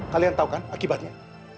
kalian tahu kan akibatnya